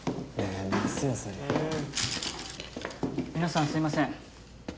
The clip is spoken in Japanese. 皆さんすみません。